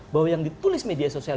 bahwa yang ditulis media sosial